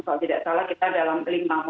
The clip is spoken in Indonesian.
kalau tidak salah kita dalam lima